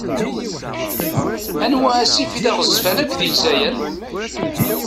Anwa asif i d aɣezzfan akk di Lezzayer?